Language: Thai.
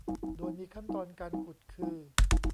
โดยมีขั้นตอนการขุดคือ